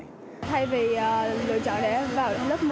thay vì lựa chọn để vào lớp một mươi